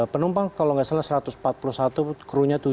penumpang kalau nggak salah satu ratus empat puluh satu kru nya tujuh